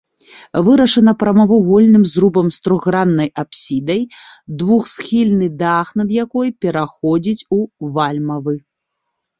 Вырашана прамавугольным зрубам з трохграннай апсідай, двухсхільны дах над якой пераходзіць у вальмавы.